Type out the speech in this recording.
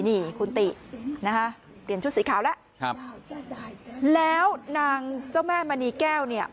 นี่คุณตินะคะเปลี่ยนชุดสีขาวแล้วครับแล้วนางเจ้าแม่มณีแก้วเนี่ย